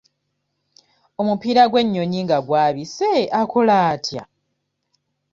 Omupiira gw'ennyonyi nga gwabise akola atya?